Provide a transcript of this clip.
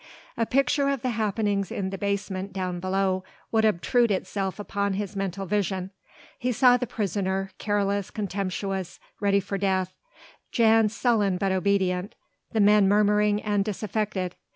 A picture of the happenings in the basement down below would obtrude itself upon his mental vision; he saw the prisoner careless, contemptuous, ready for death; Jan sullen but obedient; the men murmuring and disaffected.